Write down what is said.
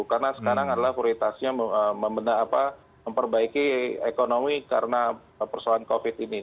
karena sekarang adalah prioritasnya memperbaiki ekonomi karena persoalan covid ini